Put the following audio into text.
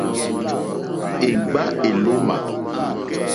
Éŋɡbá èlómà.